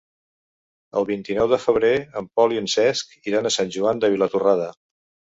El vint-i-nou de febrer en Pol i en Cesc iran a Sant Joan de Vilatorrada.